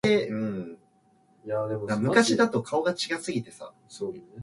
The Latin specific epithet of "spinosa" is derived from "spina" meaning spiny.